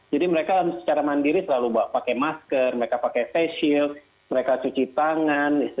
jadi mereka secara mandiri selalu pakai masker mereka pakai face shield mereka cuci tangan